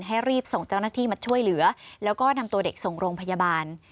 รีบส่งเจ้าหน้าที่มาช่วยเหลือแล้วก็นำตัวเด็กส่งโรงพยาบาล